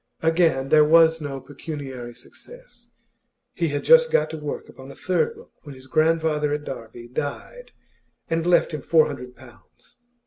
Again there was no pecuniary success. He had just got to work upon a third book, when his grandfather at Derby died and left him four hundred pounds.